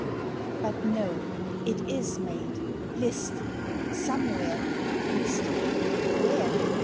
But no: it is made; list! somewhere — mystery! where?